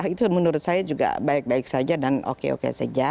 itu menurut saya juga baik baik saja dan oke oke saja